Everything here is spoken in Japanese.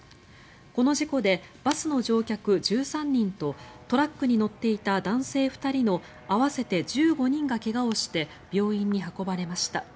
この事故で、バスの乗客１３人とトラックに乗っていた男性２人の合わせて１５人が怪我をして病院に運ばれました。